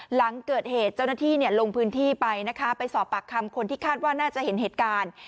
หลังเกิดเหตุเจ้าหน้าที่ลงพื้นที่ไปนะคะไปสอบปากคำคนที่คาดว่าน่าจะเห็นเหตุการณ์